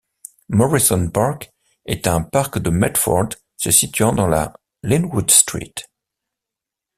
Morrison Park est un parc de Medfort se situant dans la Linwood Street.